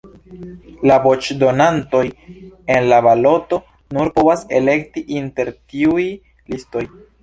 La voĉdonantoj en la baloto nur povas elekti inter tiuj listoj.